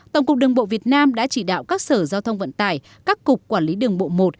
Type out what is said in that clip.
tổng cục đường bộ việt nam đã chỉ đạo các sở giao thông vận tải các cục quản lý đường bộ một